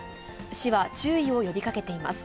市は、注意を呼びかけています。